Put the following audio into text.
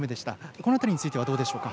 この辺りについてはどうでしょうか。